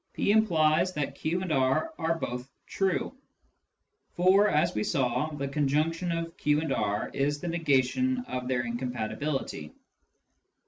p implies that q and r are both true "— for, as we saw, the conjunction of q and r is the negation of their .incompatibility.